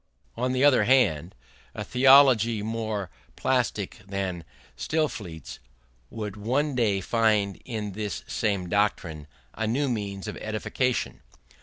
On the other hand, a theology more plastic than Stillingfleet's would one day find in this same doctrine a new means of edification.